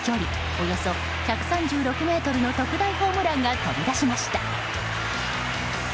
およそ１３６ｍの特大ホームランが飛び出しました。